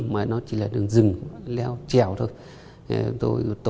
mà nó chỉ là đường rừng leo trèo thôi